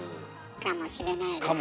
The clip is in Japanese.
かもしれないですねえ。